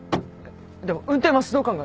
でも運転は指導官が。